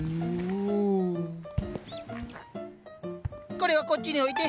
これはこっちに置いて